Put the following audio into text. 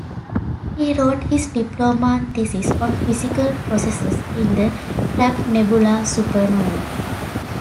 He wrote his diploma thesis on physical processes in the Crab Nebula Supernova.